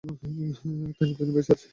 তাই এতদিন বেঁচে আছি।